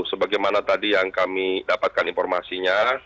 sebagaimana tadi yang kami dapatkan informasinya